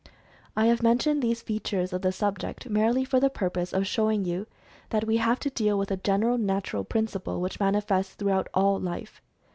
I have men tioned these features of the subject merely for the pur pose of showing you that we have to deal with a gen eral natural principle which manifests throughout all life.